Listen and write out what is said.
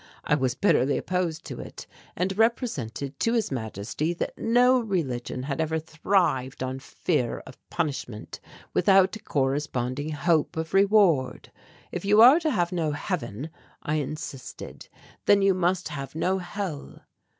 I was bitterly opposed to it and represented to His Majesty that no religion had ever thrived on fear of punishment without a corresponding hope of reward. 'If you are to have no Heaven,' I insisted, 'then you must have no Hell.'